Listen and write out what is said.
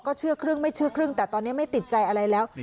เชื่อครึ่งไม่เชื่อครึ่งแต่ตอนนี้ไม่ติดใจอะไรแล้ว